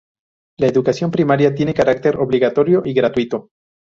La Educación Primaria tiene carácter obligatorio y gratuito.